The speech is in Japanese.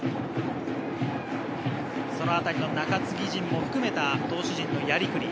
そのあたりの中継ぎ陣も含めた投手陣のやりくり。